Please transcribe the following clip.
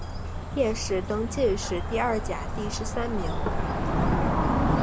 殿试登进士第二甲第十三名。